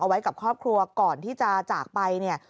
ไว้กับครอบครัวก่อนที่จะจากไปเนี่ย